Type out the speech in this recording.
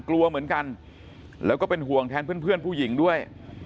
กลัวเหมือนกันแล้วก็เป็นห่วงแทนเพื่อนผู้หญิงด้วย